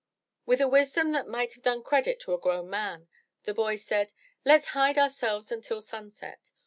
With a wisdom that might have done credit to a grown man, the boy said: Let*s hide ourselves until sunset.